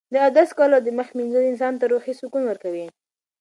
د اودس کول او د مخ مینځل انسان ته روحي سکون ورکوي.